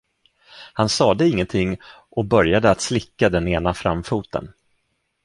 Han sade ingenting och började att slicka den ena framfoten.